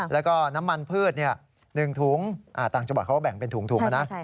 แล้วก็น้ำมันพืช๑ถุงต่างจังหวัดเขาก็แบ่งเป็นถุงนะ